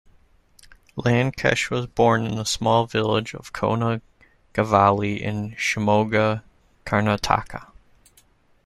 Lankesh was born in the small village of Konagavalli in Shimoga, Karnataka.